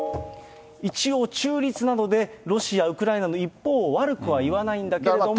一応、中立なので、ロシア、ウクライナの一方を悪くは言わないんだけれども。